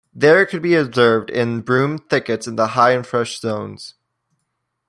There it could be observed in broom thickets in the high and fresh zones.